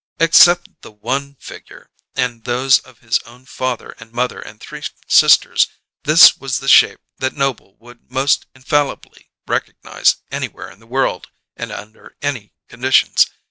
Except the One figure, and those of his own father and mother and three sisters, this was the shape that Noble would most infallibly recognize anywhere in the world and under any conditions.